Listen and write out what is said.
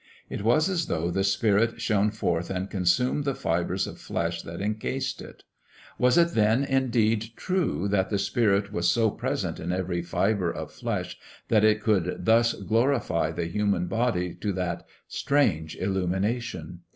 It was as though the spirit shone forth and consumed the fibres of flesh that incased it. Was it then, indeed, true that the spirit was so present in every fibre of flesh that it could thus glorify the human body to that strange illumination?